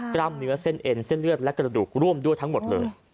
กล้ามเนื้อเส้นเอ็นเส้นเลือดและกระดูกร่วมด้วยทั้งหมดเลย